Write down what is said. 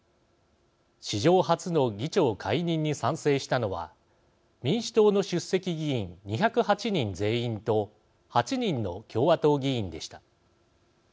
史上初の議長解任に賛成したのは民主党の出席議員２０８人全員と８人の共和党議員でした。